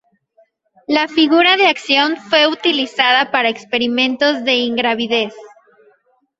La figura de acción fue utilizada para experimentos de ingravidez.